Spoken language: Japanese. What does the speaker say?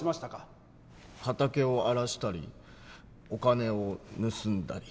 畑を荒らしたりお金を盗んだり。